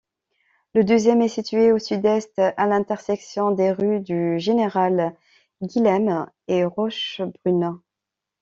Le deuxième est situé au sud-est, à l'intersection des rues du Général-Guilhem et Rochebrune.